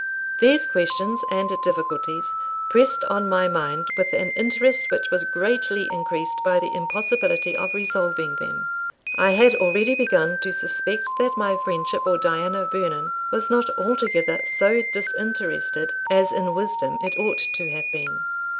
These questions and difficulties pressed on my mind with an interest which was greatly increased by the impossibility of resolving them. I had already begun to suspect that my friendship for Diana Vernon was not altogether so disinterested as in wisdom it ought to have been.